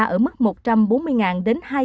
ở mức một trăm bốn mươi đến hai trăm linh